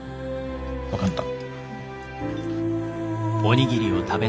分かった。